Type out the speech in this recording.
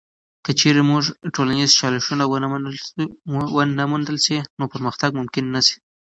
که چیرته موږ ټولنیز چالشونه ونه موندل سي، نو پرمختګ ممکن نه سي.